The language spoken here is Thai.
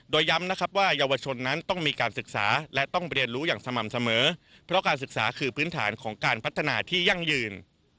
โดยย้ำนะครับว่าเยาวชนนั้นต้องมีการศึกษาและต้องเรียนรู้อย่างสม่ำเสมอเพราะการศึกษาคือพื้นฐานของการพัฒนาที่ยั่งยืน